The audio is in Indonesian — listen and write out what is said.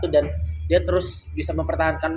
dan dia terus bisa mempertahankan